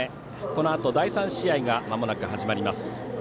このあと第３試合がまもなく始まります。